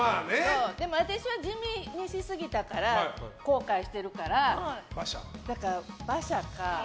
でも私は地味にしすぎたから後悔してるから、馬車か。